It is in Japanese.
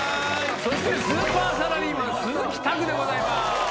そしてスーパーサラリーマン、鈴木拓でございます。